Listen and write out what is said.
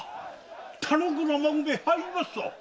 田之倉孫兵衛入りますぞ。